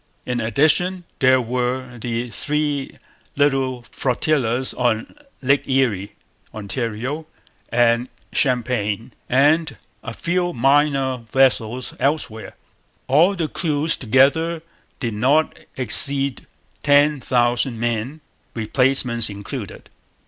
In addition, there were the three little flotillas on Lakes Erie, Ontario, and Champlain; and a few minor vessels elsewhere. All the crews together did not exceed ten thousand men, replacements included.